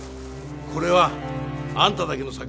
これはあんただけの作品じゃ。